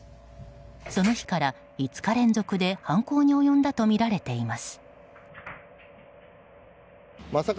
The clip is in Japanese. その日から５日連続で犯行に及んだとみられています。